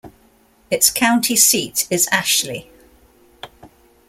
Its county seat is Ashley.